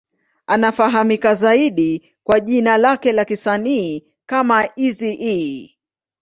Anafahamika zaidi kwa jina lake la kisanii kama Eazy-E.